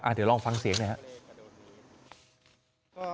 เอาเดี๋ยวรอเงินขึ้นสีนะครับ